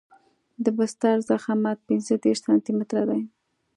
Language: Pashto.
د بستر ضخامت پنځه دېرش سانتي متره دی